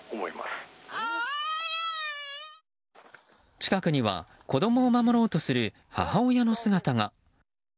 近くには子供を守ろうとする母親の姿が。